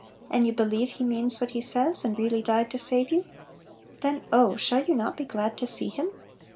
And you believe He means what He says, and really died to save you? Then, oh! shall you not be glad to see Him